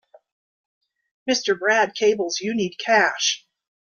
Mr. Brad cables you need cash.